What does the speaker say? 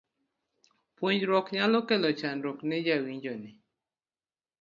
pogruok nyalo kelo chandruok ne jawinjo ni